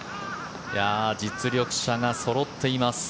実力者がそろっています。